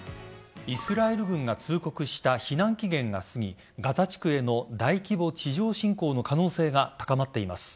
イスラエル軍が通告した避難期限が過ぎガザ地区への大規模地上侵攻の可能性が高まっています。